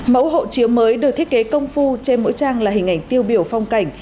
mẫu hộ chiếu mới được thiết kế công phu trên mỗi trang là hình ảnh tiêu biểu phong cảnh